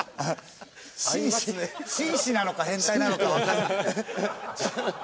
紳士紳士なのか変態なのかわからない。